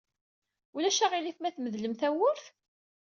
Ulac aɣilif ma tmedlem tawwurt?